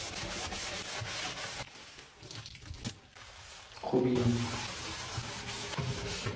These wealth effects may be small, however.